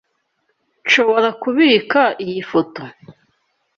Nshobora kubika iyi foto?